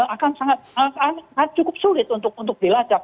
akan cukup sulit untuk dilacak